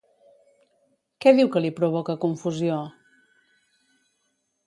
Què diu que li provoca confusió?